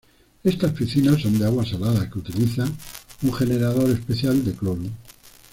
Estas piscinas son de agua salada, que utiliza un generador especial de cloro.